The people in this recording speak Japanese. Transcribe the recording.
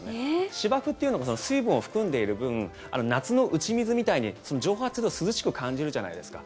芝生っていうのは水分を含んでいる分夏の打ち水みたいに、蒸発すると涼しく感じるじゃないですか。